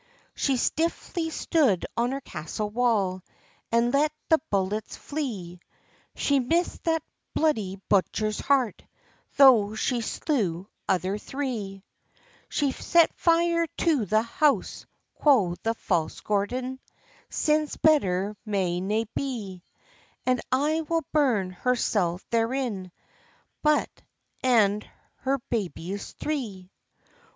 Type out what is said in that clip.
She stiffly stood on her castle wall, And let the bullets flee; She miss'd that bluidy butcher's heart, Tho' she slew other three.] "Set fire to the house!" quo' the false Gordon, "Since better may nae be; And I will burn hersel' therein, Bot and her babies three."